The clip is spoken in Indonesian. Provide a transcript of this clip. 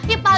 ya pak rt